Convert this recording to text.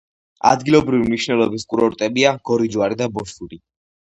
ადგილობრივი მნიშვნელობის კურორტებია გორიჯვარი და ბოშური.